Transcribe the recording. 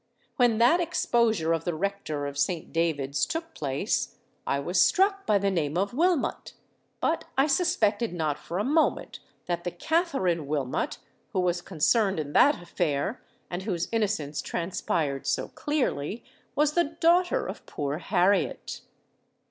"When that exposure of the rector of Saint David's took place, I was struck by the name of Wilmot; but I suspected not for a moment that the Katherine Wilmot, who was concerned in that affair, and whose innocence transpired so clearly, was the daughter of poor Harriet."